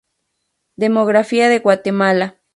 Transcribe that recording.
Demografía de Guatemala